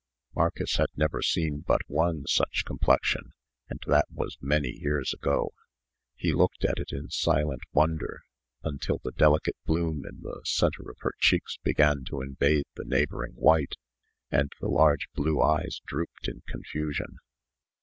Marcus had never seen but one such complexion, and that was many years ago. He looked at it in silent wonder, until the delicate bloom in the centre of her cheeks began to invade the neighboring white, and the large blue eyes drooped in confusion.